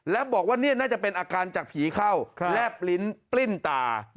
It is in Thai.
แล้วบอกว่านี่น่าจะเป็นอาการจากผีเข้าแลบลิ้นปลิ้นตา